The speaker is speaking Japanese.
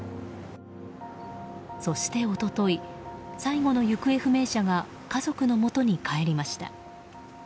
そして一昨日最後の行方不明者が家族のもとに帰りました。